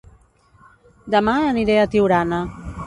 Dema aniré a Tiurana